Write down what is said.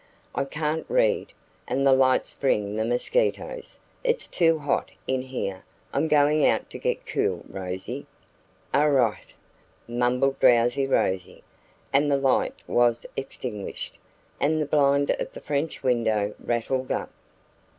"I can't read! and the light brings the mosquitoes. It's too hot in here. I'm going out to get cool, Rosie." "A'right," mumbled drowsy Rose. And the light was extinguished, and the blind of the French window rattled up.